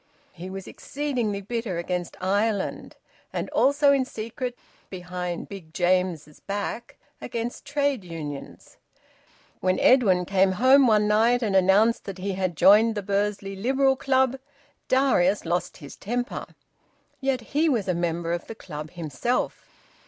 He was exceedingly bitter against Ireland; and also, in secret, behind Big James's back, against trade unions. When Edwin came home one night and announced that he had joined the Bursley Liberal Club, Darius lost his temper. Yet he was a member of the club himself.